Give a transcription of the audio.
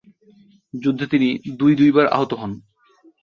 যুদ্ধে তিনি দুই দুইবার আহত হন।